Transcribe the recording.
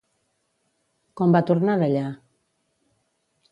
Com va tornar d'allà?